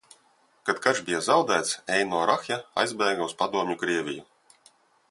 Kad karš bija zaudēts, Eino Rahja aizbēga uz Padomju Krieviju.